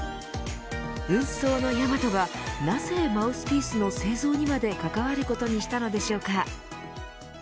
運送のヤマトが、なぜマウスピースの製造にまで関わることにしたのでしょうか。